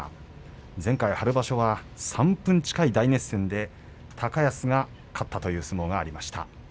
前回、春場所は３分近い大熱戦で高安が勝ったという相撲がありました。